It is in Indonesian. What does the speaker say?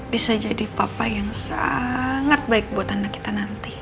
bisa jadi papa yang sangat baik buat anak kita nanti